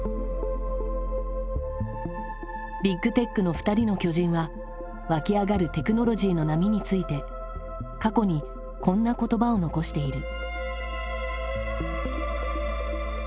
ビッグテックの２人の巨人はわき上がるテクノロジーの波について過去にこんな言葉を残している。